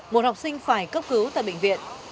một học sinh phải cấp cứu tại bệnh viện